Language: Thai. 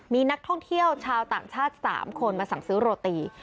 มีนักท่องเที่ยวชาวต่างชาติ๓คนมาสั่งซื้อโรตี